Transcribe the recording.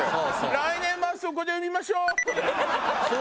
「来年もあそこで産みましょう」。